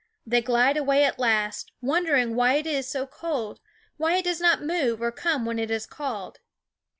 They glide away at last, wondering y>VCo wnv ^ is so cold, why it does not move a^M& or come when it is called.